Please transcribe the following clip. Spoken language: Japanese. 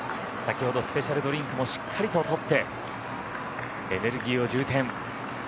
先ほどスペシャルドリンクもしっかりと取ってエネルギーを充填。